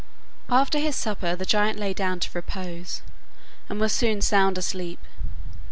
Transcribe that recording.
After his supper the giant lay down to repose, and was soon sound asleep.